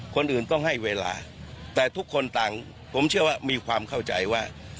คนอื่นต้องให้เวลาแต่ทุกคนต่างผมเชื่อว่ามีความเข้าใจว่า